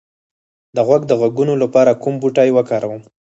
د غوږ د غږونو لپاره کوم بوټی وکاروم؟